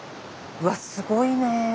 うわっすごい！